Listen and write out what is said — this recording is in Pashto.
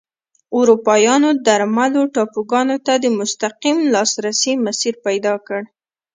اروپایانو درملو ټاپوګانو ته د مستقیم لاسرسي مسیر پیدا کړ.